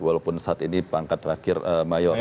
walaupun saat ini pangkat terakhir mayor